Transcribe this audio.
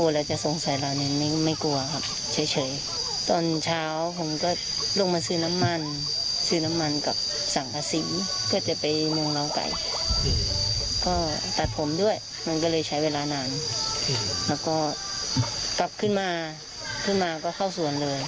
แล้วก็กลับขึ้นมาก็เข้าสวนเลย